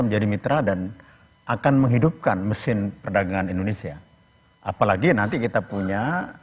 menjadi mitra dan akan menghidupkan mesin perdagangan indonesia apalagi nanti kita punya